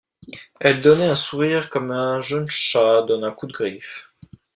Elle donnait un sourire comme un jeune chat donne un coup de griffe.